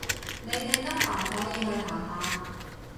你哋得閒可以去行下